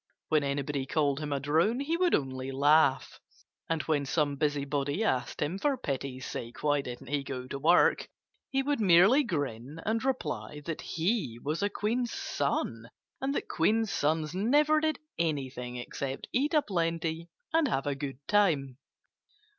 When anybody called him a drone he would only laugh. And when some busybody asked him for pity's sake why didn't he go to work, he would merely grin and reply that he was a queen's son and that queens' sons never did anything except eat a plenty and have a good time.